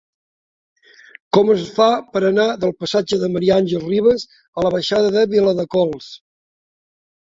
Com es fa per anar del passatge de Ma. Àngels Rivas a la baixada de Viladecols?